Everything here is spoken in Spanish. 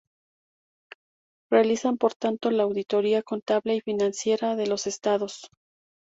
Realizan por tanto la auditoría contable y financiera de los estados.